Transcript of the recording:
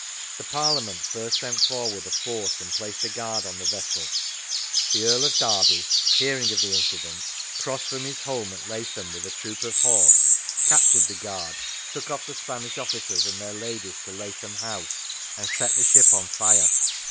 The Parliament first sent forward a force and placed a guard on the vessel. The Earl of Derby, hearing of the incident, crossed from his home 93 Lancashire at Lathom with a troop of horse, captured the guard, took off the Spanish officers and their ladies to Lathom House, and set the ship on fire.